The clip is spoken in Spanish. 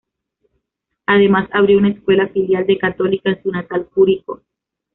Además, abrió una escuela filial de Católica en su natal Curicó.